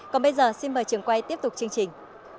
còn bây giờ xin mời trường quay tiếp tục chương trình